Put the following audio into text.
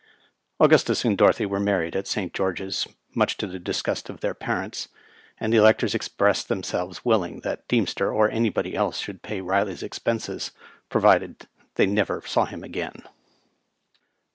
Augustus and Dorothy were married at St. George's, much to the disgust of their parents ; and the electors ex pressed themselves willing that Deemster or anybody else should pay Riley^s expenses, provided they never saw him again.